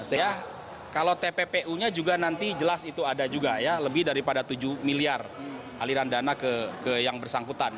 ya kalau tppu nya juga nanti jelas itu ada juga ya lebih daripada tujuh miliar aliran dana ke yang bersangkutan